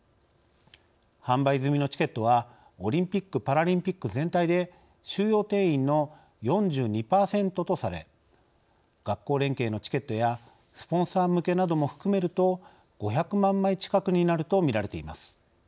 販売済みのチケットはオリンピック・パラリンピック全体で収容定員の４２％とされ学校連携のチケットやスポンサー向けなども含めると５００万枚近くになると見られています。